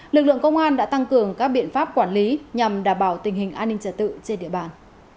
lực lượng công an đã tăng cường các biện pháp quản lý nhằm đảm bảo tình hình an ninh trật tự trên địa bàn